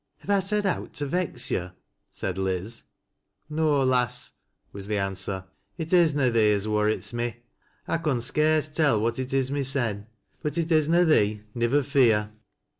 " Have I said owt to vex yo' ?" said Liz. " No, lass," was the answer, " it is na thee as worrits mo. I con scarce tell what it is mysen, but it is na thee, nivvei fpar."